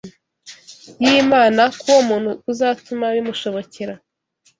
y’Imana k’uwo muntu kuzatuma bimushobokera